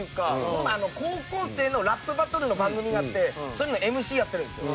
この前高校生のラップバトルの番組があってそれのＭＣやってるんですよ。